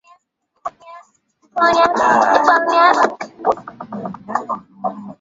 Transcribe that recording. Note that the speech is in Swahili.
alitamka waziri mkuu berlusconi kujiuzulu